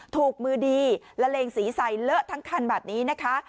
ถูกมือดีละเลงสีใส่เลอะทั้งคันแบบนี้นะคะ